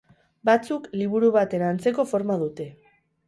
Batzuk, liburu baten antzeko forma dute.